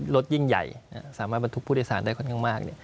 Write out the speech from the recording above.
ยิ่งใหญ่สามารถบรรทุกผู้โดยสารได้ค่อนข้างมาก